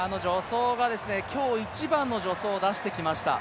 今日一番の助走を出してきました。